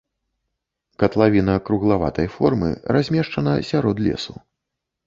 Катлавіна круглаватай формы, размешчана сярод лесу.